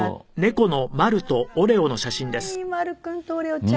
マル君とオレオちゃん。